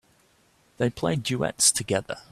They play duets together.